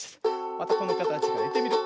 またこのかたちからいってみるよ。